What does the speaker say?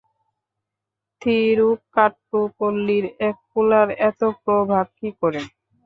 থিরুক্কাট্টুপল্লীর এক পুলার এতো প্রভাব কী করে?